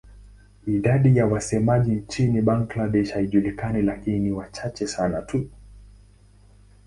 Idadi ya wasemaji nchini Bangladesh haijulikani lakini ni wachache sana tu.